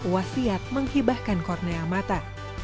wasiat menghibahkan kornea mata